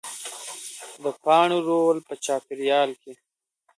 د پاڼو رول په چاپېریال کې